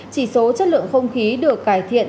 chỉ số chất lượng không khí được cải thiện